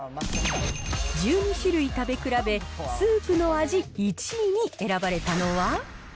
１２種類食べ比べ、スープの味１位に選ばれたのは？